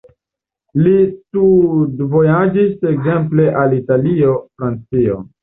Li studvojaĝis ekzemple al Italio, Francio.